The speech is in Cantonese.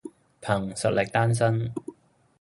憑實力單身